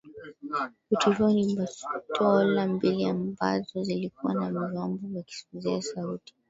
Vitu hivyo ni bastola mbili ambazo zilikuwa na viwambo vya kuzuia sauti